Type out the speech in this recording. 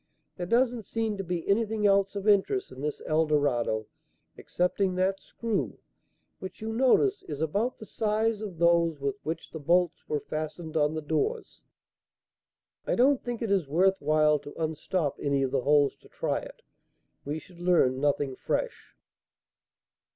There doesn't seem to be anything else of interest in this El Dorado excepting that screw, which you notice is about the size of those with which the bolts were fastened on the doors. I don't think it is worth while to unstop any of the holes to try it; we should learn nothing fresh."